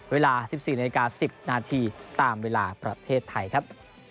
เวลาสิบสี่นาฬิกาสิบนาทีตามเวลาประเทศไทยครับ